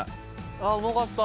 ああうまかった。